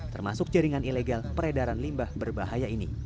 termasuk jaringan ilegal peredaran limbah berbahaya ini